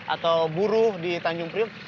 atau buruh di tanjung priuk